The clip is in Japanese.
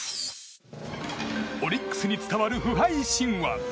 オリックスに伝わる不敗神話。